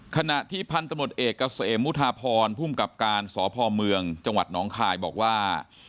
ขณะที่พันธุ์ตำลวจเอกกัสเอมมุธาพรผู้บังกับการสพมจังหวัดน้องคายบอกว่า